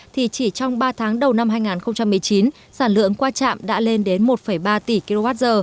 thì chỉ trong ba tháng đầu năm hai nghìn một mươi chín sản lượng qua trạm đã lên đến một ba tỷ kwh